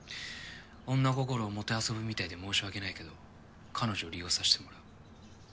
女心を弄ぶみたいで申し訳ないけど彼女を利用させてもらう。